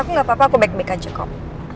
aku gak apa apa aku baik baik aja kok